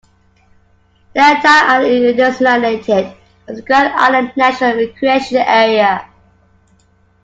The entire island is designated as the Grand Island National Recreation Area.